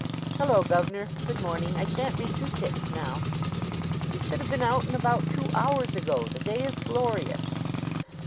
"Hello, gov'nor. Good morning. I shan't be two ticks now." "You should have been out and about two hours ago. The day is glorious."